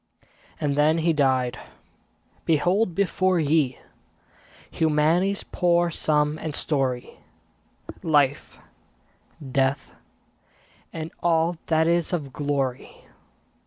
And then he died! Behold before ye Humanity's poor sum and story; Life, Death, and all that is of glory.